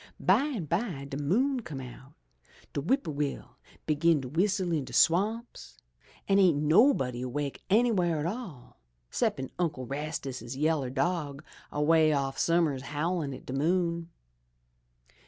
Bimeby de moon come out, de whip poor will begin to w'istle in de swamps, an' ain't nobody awake anyw'ere at all, 'ceppin' Uncle Rastus' yaller dog a way off summ'ers howlin' at de moon.